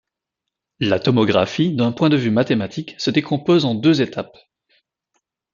La tomographie, d’un point de vue mathématique, se décompose en deux étapes.